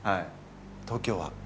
東京は？